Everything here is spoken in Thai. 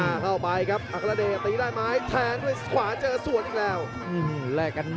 ชัมเปียร์ชาเลน์